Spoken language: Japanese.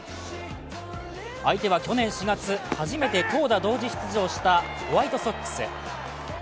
相手は去年４月、初めて投打同時出場したホワイトソックス。